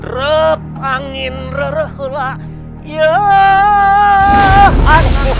rap angin reruh la yaa